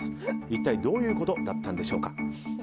一体どういうことだったんでしょうか。